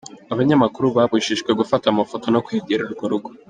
Abanyamakuru babujijwe gufata amafoto, no kwegera urwo rugo.